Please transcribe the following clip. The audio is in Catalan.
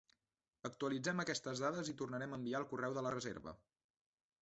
Actualitzem aquestes dades i tornarem a enviar el correu de la reserva.